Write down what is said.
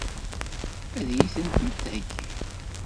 Ad iyi-tent-id-theggim?